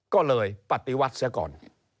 ก็เลยปฏิวัติเสียก่อน